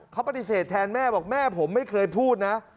เขาปฏิเสธแทนแม่บอกแม่ผมไม่เคยพูดนะ